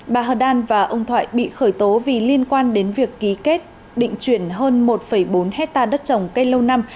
bà hờ đan và ông thoại bị khởi tố vì liên quan đến việc ký kết định chuyển hơn một bốn hectare đất trồng cây lâu năm